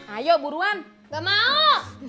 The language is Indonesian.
ayo buruan gak mau